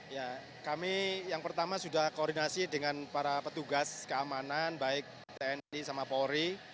ya kami yang pertama sudah koordinasi dengan para petugas keamanan baik tni sama polri